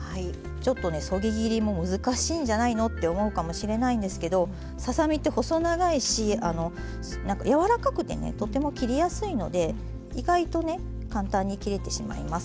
ちょっとねそぎ切りも難しいんじゃないのって思うかもしれないんですけどささ身って細長いし柔らかくてねとても切りやすいので意外とね簡単に切れてしまいます。